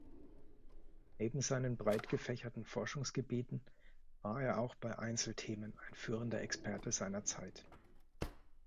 Neben seinen breitgefächerten Forschungsgebieten war er auch bei Einzelthemen ein führender Experte seiner Zeit.